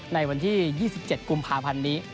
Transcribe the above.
ในวันที่๒๗กุมภาพันธ์นี้